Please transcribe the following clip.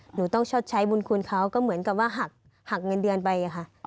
หนูต้องชดใช้บุญคุณเขาก็เหมือนกับว่าหักเงินเดือนไปค่ะ